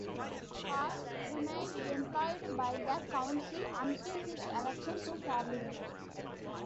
Hall remained employed by the council until his election to Parliament.